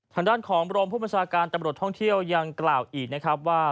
ทางด้านของรองผู้บัญชาการตำรวจท่องเที่ยวยังกล่าวอีกนะครับว่า